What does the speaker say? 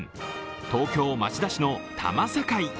東京・町田市の多摩境。